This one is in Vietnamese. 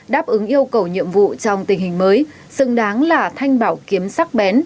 đáp ứng yêu cầu nhiệm vụ trong tình hình mới xứng đáng là thanh bảo kiếm sắc bén